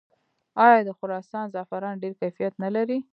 آیا د خراسان زعفران ډیر کیفیت نلري؟